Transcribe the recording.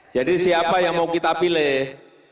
jadi siapa yang mau kita pilih